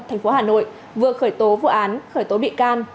thành phố hà nội vừa khởi tố vụ án khởi tố bị can